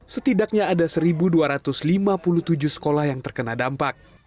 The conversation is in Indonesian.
setidaknya ada satu dua ratus lima puluh tujuh sekolah yang terkena dampak